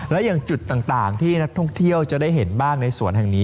และอย่างจุดต่างที่นักท่องเที่ยวจะได้เห็นบ้างในสวนแห่งนี้